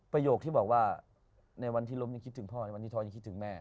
ประโยคที่บอกว่าในวันที่ล้มยังคิดถึงพ่อในวันนี้ท้อยังคิดถึงแม่